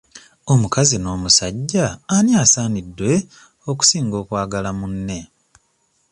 Omukazi n'omusajja ani asaanidde okusinga okwagala munne?